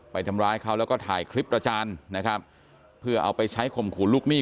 ไปทำร้ายเขาแล้วก็ถ่ายคลิปประจานนะครับเพื่อเอาไปใช้ข่มขู่ลูกหนี้